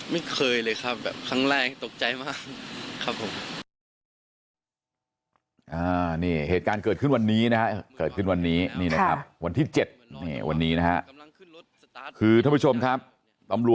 ไม่เคยเลยครับแบบครั้งแรกตกใจมากครับผม